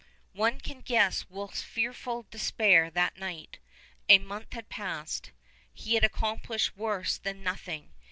One can guess Wolfe's fearful despair that night. A month had passed. He had accomplished worse than nothing.